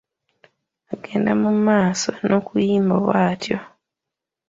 Agenda mu maaso n’okuyimba bwatyo.